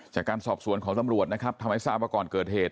จากการสอบสวนของตำรวจนะครับทำให้ทราบว่าก่อนเกิดเหตุ